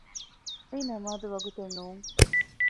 އެއީ ނަމާދު ވަގުތެއް ނޫން